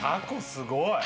すごい。